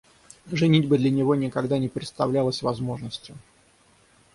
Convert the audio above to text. Женитьба для него никогда не представлялась возможностью.